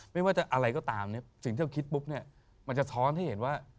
ไม่ว่าจะอะไรก็ตามเนี่ยสิ่งที่เราคิดปุ๊บเนี่ยมันจะท้อนให้เห็นว่า